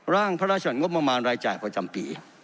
ร่างพระราชวรรภ์งบมหมารรายจ่ายประจำปี